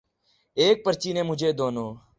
ایک پرچی نے مجھے دونوں